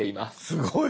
すごい！